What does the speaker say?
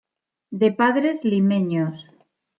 De padres Limeños.